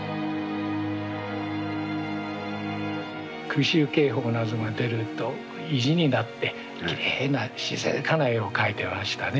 空襲警報なぞが出ると意地になってきれいな静かな絵を描いてましたね。